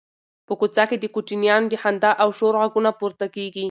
په کوڅه کې د کوچنیانو د خندا او شور غږونه پورته کېږي.